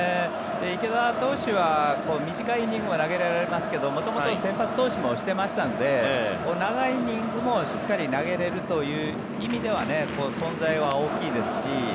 池田投手は短いイニングは投げられますけれど元々、先発投手もしてましたので長いイニングも、しっかり投げられるという意味では存在は大きいですし